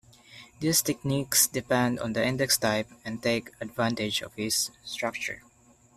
These techniques depend on the index type, and take advantage of its structure.